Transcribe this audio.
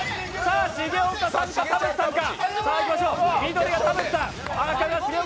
重岡さんか、田渕さんか。